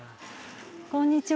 こんにちは。